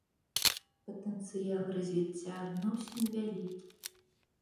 Патэнцыял развіцця адносін вялікі.